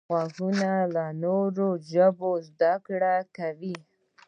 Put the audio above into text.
غوږونه له نوو ژبو زده کړه کوي